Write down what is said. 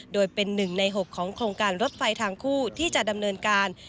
โดยเป็น๑ใน๖ของโครงการรถไฟทางคู่ที่จะดำเนินการ